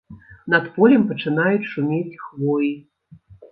Над полем пачынаюць шумець хвоі!